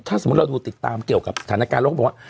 ถ้าสมมติว่าเราดูติดตามเกี่ยวกับฐานการณ์โลกของผมอะ